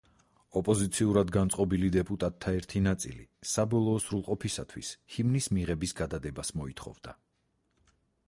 ოპოზიციურად განწყობილი დეპუტატთა ერთი ნაწილი საბოლოო სრულყოფისათვის ჰიმნის მიღების გადადებას მოითხოვდა.